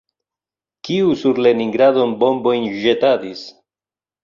Kiu sur Leningradon bombojn ĵetadis?